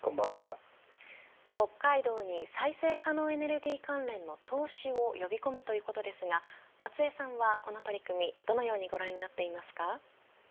北海道に再生可能エネルギー関連の投資を呼び込むということですが松江さんはこの取り組みどのようにご覧になっていますか。